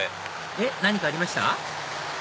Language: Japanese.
えっ何かありました？